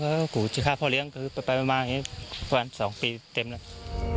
เขาก็ขู่จะฆ่าพ่อเลี้ยงคือไปนี่๒ปีเต็มแล้ว